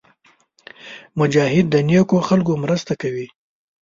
مجاهد د نېکو خلکو مرسته کوي.